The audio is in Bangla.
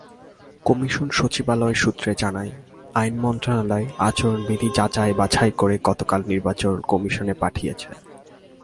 কমিশন সচিবালয় সূত্র জানায়, আইন মন্ত্রণালয় আচরণবিধি যাচাই-বাছাই করে গতকাল নির্বাচন কমিশনে পাঠিয়েছে।